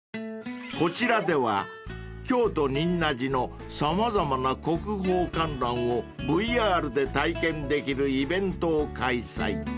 ［こちらでは京都仁和寺の様々な国宝観覧をＶＲで体験できるイベントを開催］